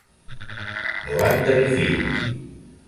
No van tenir fills.